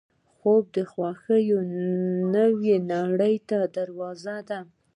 خوب د خوښۍ نوې نړۍ ته دروازه ده